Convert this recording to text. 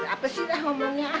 apa sih dah omongnya